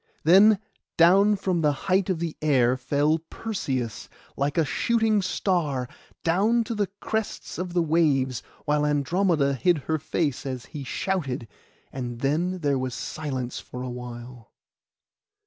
Then down from the height of the air fell Perseus like a shooting star; down to the crests of the waves, while Andromeda hid her face as he shouted; and then there was silence for a while.